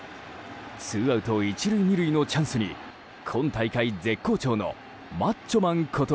ツーアウト１塁２塁のチャンスに今大会絶好調のマッチョマンこと